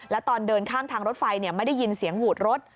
แล้วตอนเดินข้ามทางรถไฟไม่ได้ยินเสียงหวูดรถ